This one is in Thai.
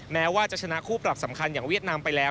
แม้ว่าจะชนะคู่ปรับสำคัญอย่างเวียดนามไปแล้ว